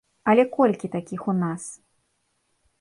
Але колькі такіх у нас?